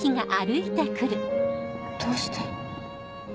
どうして。